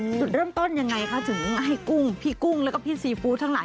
จุดเริ่มต้นยังไงคะถึงให้กุ้งพี่กุ้งแล้วก็พี่ซีฟู้ดทั้งหลาย